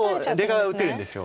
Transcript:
出が打てるんです。